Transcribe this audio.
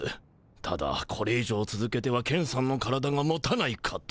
ただこれ以上つづけてはケンさんの体がもたないかと。